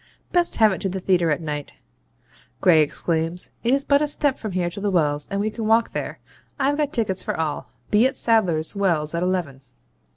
Best have it to the theatre at night,' Gray exclaims; 'it is but a step from here to the Wells, and we can walk there. I've got tickets for all. Be at Sadler's Wells at eleven.'